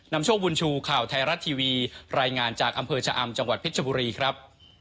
โชคบุญชูข่าวไทยรัฐทีวีรายงานจากอำเภอชะอำจังหวัดเพชรบุรีครับ